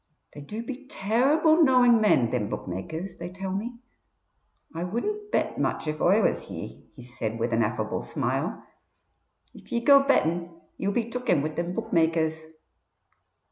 They do be terrible knowing men, thim bookmakers, they tell me. I wouldn't bet much if Oi was ye," he said, with an affable smile. "If ye go bettin' ye will be took in wid thim bookmakers."